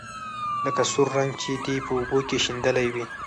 لکه سور رنګ چې دې په اوبو کې شېندلى وي.